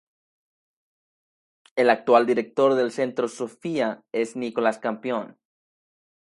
El actual director del Centro Sophia es Nicholas Campion.